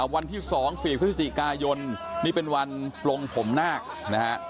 วันที่๒๔พฤศจิกายนนี่เป็นวันปลงผมนาคนะฮะ